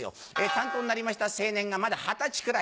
担当になりました青年がまだ二十歳くらい。